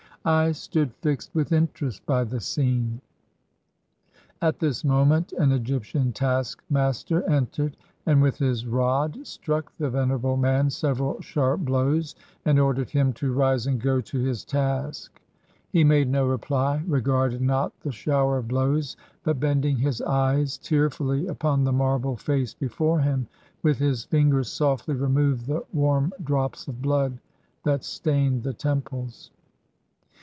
I stood fixed with 'interest by the scene. At this moment an Egyptian taskmaster entered, and with his rod struck the venerable man several sharp blows and ordered him to rise and go to his task. He made no reply, — regarded not the shower of blows, — but bending his eyes tearfully upon the marble face before him, with his fingers softly removed the warm drops of blood that stained the temples.